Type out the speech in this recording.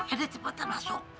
ayo cepetan masuk